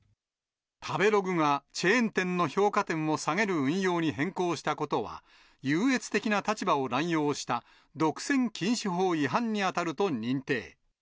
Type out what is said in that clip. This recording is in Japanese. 食べログがチェーン店の評価点を下げる運用に変更したことは、優越的な立場を乱用した、独占禁止法違反に当たると認定。